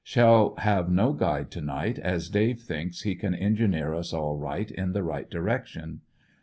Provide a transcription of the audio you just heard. Shall have no guide to night, as Dave thinks he can engineer us all right in the right direction.